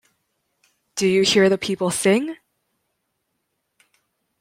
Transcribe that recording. Do You Hear The People Sing?